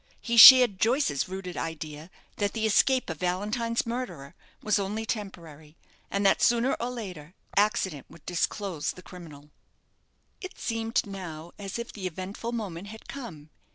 He shared Joyce's rooted idea, that the escape of Valentine's murderer was only temporary, and that, sooner or later, accident would disclose the criminal. It seemed now as if the eventful moment had come.